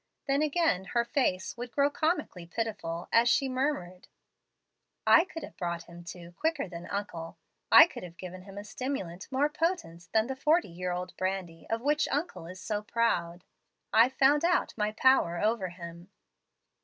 Then again her face would grow comically pitiful, as she murmured: "I could have brought him to quicker than uncle. I could have given him a stimulant more potent than the forty year old brandy of which uncle is so proud. I've found out my power over him."